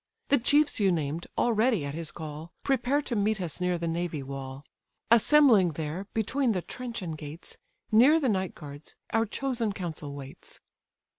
The chiefs you named, already at his call, Prepare to meet us near the navy wall; Assembling there, between the trench and gates, Near the night guards, our chosen council waits."